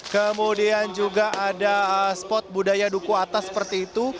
kemudian juga ada spot budaya duku atas seperti itu